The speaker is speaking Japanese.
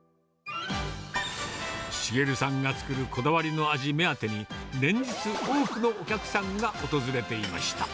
繁さんが作るこだわりの味目当てに、連日、多くのお客さんが訪れていました。